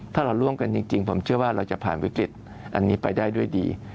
ถ้าเราร่วมกันจริงผมเชื่อว่าเราจะผ่านวิกฤตอันนี้ไปได้ด้วยดี